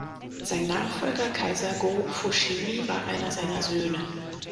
Sein Nachfolger Kaiser Go-Fushimi war einer seiner Söhne.